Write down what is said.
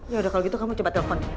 ya udah kalau gitu kamu coba telepon